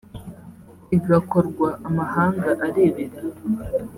igakorwa amahanga arebera